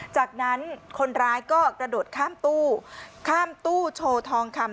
จากนั้นคนร้ายก็กระโดดข้ามตู้ข้ามตู้โชว์ทองคำ